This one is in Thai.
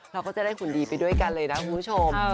เราก็จะได้หุ่นดีไปด้วยกันเลยนะคุณผู้ชม